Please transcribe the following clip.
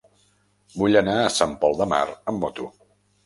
Vull anar a Sant Pol de Mar amb moto.